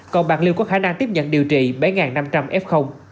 còn bạc liêu có khả năng tiếp nhận điều trị bảy năm trăm linh f